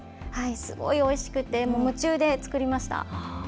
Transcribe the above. すごいおいしくて夢中で作りました。